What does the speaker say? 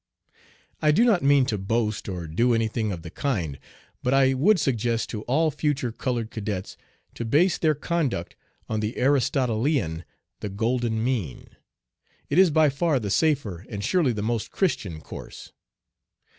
I do not mean to boast or do any thing of the kind, but I would suggest to all future colored cadets to base their conduct on the aristonmetpon, the golden mean. It is by far the safer, and surely the most Christian course.